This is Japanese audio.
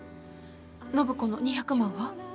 暢子の２００万は？